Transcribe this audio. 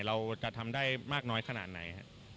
เราจะทำได้มากน้อยขนาดไหน